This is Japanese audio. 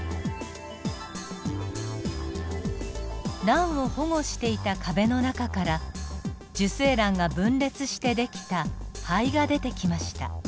卵を保護していた壁の中から受精卵が分裂してできた胚が出てきました。